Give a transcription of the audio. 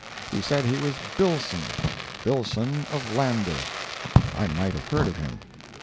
He said he was Billson—Billson of Lander—I might have heard of him.